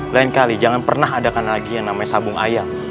lain kali jangan pernah adakan lagi yang namanya sabung ayam